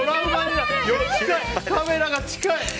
カメラが近い。